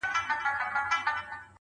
چي پاچا وي څوک په غېږ کي ګرځولی؛